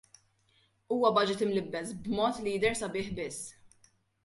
Huwa Baġit imlibbes b'mod li jidher sabiħ biss.